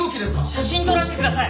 写真撮らせてください。